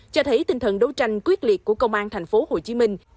cho thấy tinh thần đấu tranh quyết liệt của công an thành phố hồ chí minh